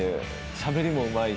しゃべりもうまいし。